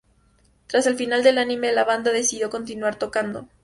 Tras el final del anime, la banda decidió continuar tocando.